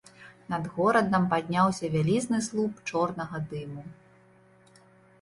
Над горадам падняўся вялізны слуп чорнага дыму.